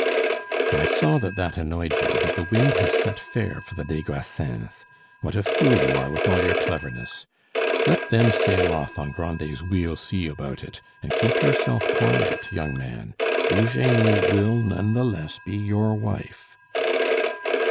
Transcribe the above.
"I saw that that annoyed you; but the wind has set fair for the des Grassins. What a fool you are, with all your cleverness! Let them sail off on Grandet's 'We'll see about it,' and keep yourself quiet, young man. Eugenie will none the less be your wife."